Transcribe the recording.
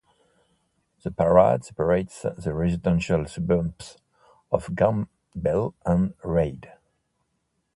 The Parade separates the residential suburbs of Campbell and Reid.